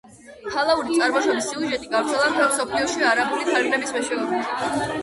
ფალაური წარმოშობის სიუჟეტი გავრცელდა მთელ მსოფლიოში არაბული თარგმანების მეშვეობით.